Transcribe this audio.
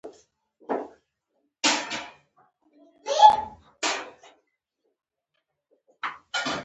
ژمن روښانفکر وظیفه ګڼي